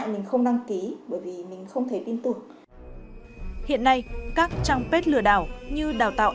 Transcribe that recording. mình không đăng ký bởi vì mình không thể tin tưởng hiện nay các trang bếp lừa đảo như đào tạo